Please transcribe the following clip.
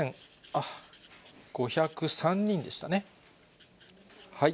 ８５０３人でしたね。